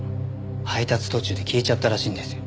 配達途中で消えちゃったらしいんですよ。